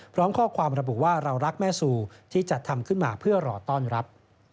พร้อมข้อความระบุว่าเรารักแม่ซูที่จัดทำขึ้นมาเพื่อรอต้อนรับ